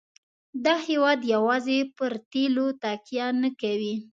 دا هېواد یوازې پر تیلو تکیه نه کوي.